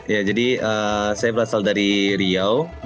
ya jadi saya berasal dari riau